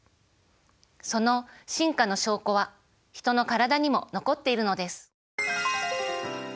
その進化の証拠はヒトの体にも残っているのです。